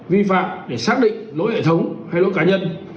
vi phạm để xác định lỗi hệ thống hay lỗi cá nhân